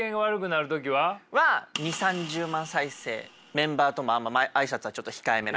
メンバーともあんま挨拶はちょっと控えめな感じ。